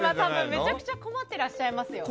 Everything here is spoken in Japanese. めちゃくちゃ困っていらっしゃいますよ。